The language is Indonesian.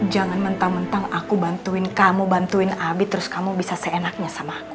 jangan mentang mentang aku bantuin kamu bantuin abid terus kamu bisa seenaknya sama aku